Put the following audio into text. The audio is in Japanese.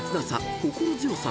「心強さ」